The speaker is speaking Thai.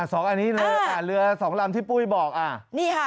สองอันนี้เรืออ่าเรือสองลำที่ปุ้ยบอกอ่านี่ค่ะ